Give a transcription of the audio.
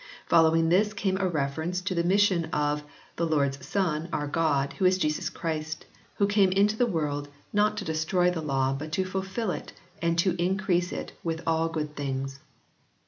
Following this came a reference to the mission of " the Lord s Son, our God, who is Jesus Christ, who came into the world, not to destroy the law but to fulfil it, and to increase it with all good things."